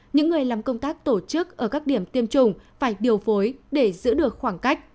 những người làm công tác tổ chức ở các điểm tiêm chủng phải điều phối để giữ được khoảng cách